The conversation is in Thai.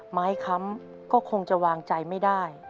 ค้ำก็คงจะวางใจไม่ได้